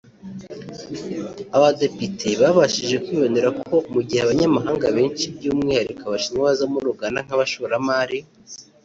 Abadepite babashije kwibonera ko mu gihe abanyamahanga benshi by’umwihariko Abashinwa baza muri Uganda nk’abashoramari